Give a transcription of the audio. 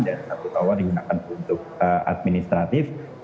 dan satu tower digunakan untuk administratif